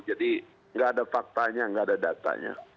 jadi nggak ada faktanya nggak ada datanya